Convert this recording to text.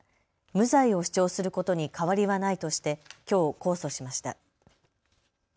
無罪を主張することに変わりはないとしてきょう、控訴しました。